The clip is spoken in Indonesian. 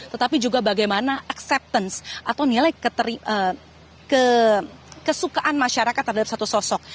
tetapi juga bagaimana acceptance atau nilai kesukaan masyarakat terhadap satu sosok